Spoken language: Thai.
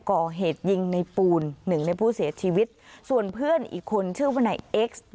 ก่อเหตุยิงในปูนหนึ่งในผู้เสียชีวิตส่วนเพื่อนอีกคนชื่อว่านายเอ็กซ์